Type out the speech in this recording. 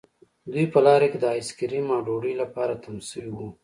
دوی په لاره کې د آیس کریم او ډوډۍ لپاره تم شوي وو